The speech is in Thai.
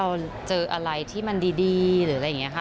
เราเจออะไรที่มันดีหรืออะไรอย่างนี้ค่ะ